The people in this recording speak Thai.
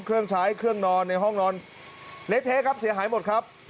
เครื่องใช้เครื่องนอนในห้องนอนเละเทะครับเสียหายหมดครับ